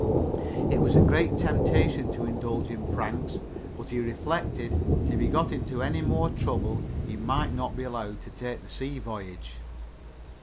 It was a great temptation to indulge in pranks, but he reflected that if he got into any more trouble he might not be allowed to take the sea voyage.